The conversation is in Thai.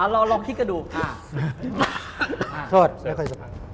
เราลองคิดก็ดู